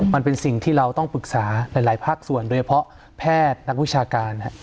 มันเป็นสิ่งที่เราต้องปรึกษาหลายภาคส่วนโดยเฉพาะแพทย์นักวิชาการ